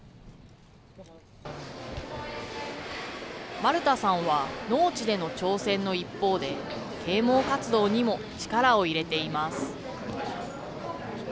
丸田さんは農地での挑戦の一方で、啓もう活動にも力を入れています。